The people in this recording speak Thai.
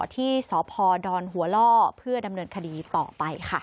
ที่สพดหัวล่อเพื่อดำเนินคดีต่อไปค่ะ